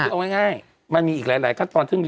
เอาง่ายมามีอีกหลายก็ตอนตั้งขึ้น